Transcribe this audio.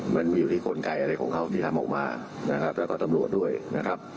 มันมีอยู่ที่กลไกอะไรของเขาที่ทำออกมานะครับแล้วก็ตำรวจด้วยนะครับ